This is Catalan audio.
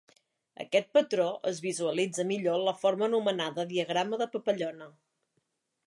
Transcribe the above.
Aquest patró es visualitza millor en la forma anomenada diagrama de papallona.